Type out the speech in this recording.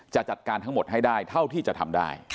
จัดการทั้งหมดให้ได้เท่าที่จะทำได้